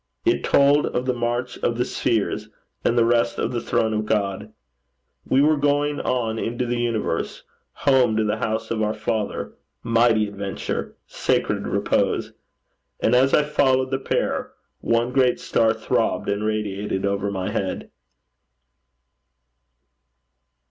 It told of the march of the spheres, and the rest of the throne of God. We were going on into the universe home to the house of our Father. Mighty adventure! Sacred repose! And as I followed the pair, one great star throbbed and radiated over my head.